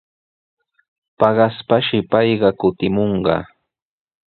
Paqaspashi payqa kutimunqa.